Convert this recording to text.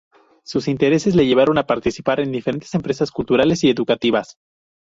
Sus intereses le llevaron a participar en diferentes empresas culturales y educativas.